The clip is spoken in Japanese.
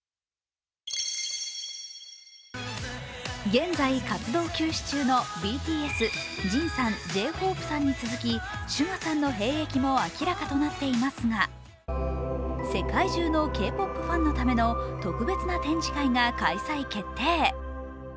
現在活動休止中のＢＴＳ、ＪＩＮさん、Ｊ−ＨＯＰＥさんに続きＳＵＧＡさんの兵役も明らかとなっていますが世界中のＫ−ＰＯＰファンのための特別な展示会が開催決定。